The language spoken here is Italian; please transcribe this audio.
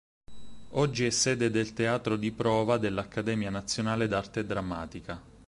Oggi è sede del teatro di prova dell'Accademia nazionale d'arte drammatica.